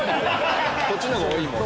こっちのほうが多いもんな。